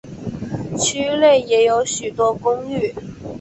区内也有许多公寓。